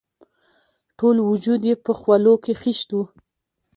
ټول وجود یې په خولو کې خیشت وو.